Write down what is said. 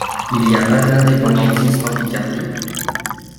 Il y a pas d’indépendantistes en Picardie?